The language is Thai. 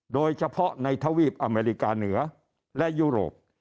โดยเฉพาะในทวีปอเมริกาเหนือและยุโรป